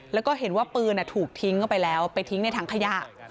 แล้วก็เห็นว่าปืนถูกทิ้งเข้าไปแล้วไปทิ้งในถังขยะ